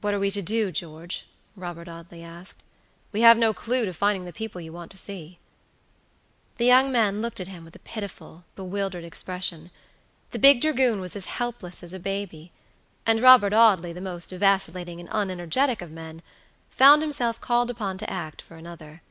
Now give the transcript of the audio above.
"What are we to do, George?" Robert Audley asked. "We have no clew to finding the people you want to see." The young man looked at him with a pitiful, bewildered expression. The big dragoon was as helpless as a baby; and Robert Audley, the most vacillating and unenergetic of men, found himself called upon to act for another.